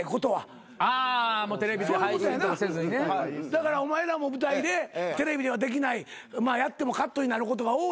だからお前らも舞台でテレビではできないやってもカットになることが多いやんか。